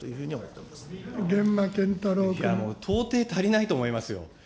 いやもう、とうてい足りないと思いますよ。